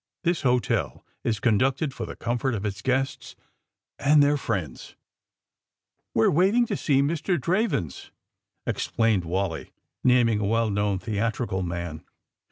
This hotel is conducted for the comfort of its guests and their friends." *^We're waiting to see Mr. Dravens," ex* AND THE SMUGGLERS 25 plained Wally, naming a well known theatrical man.